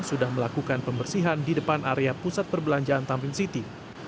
sudah melakukan pembersihan di depan area pusat perbelanjaan tamrin city